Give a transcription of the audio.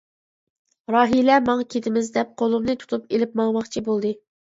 راھىلە ماڭ كېتىمىز دەپ قولۇمنى تۇتۇپ ئېلىپ ماڭماقچى بولدى.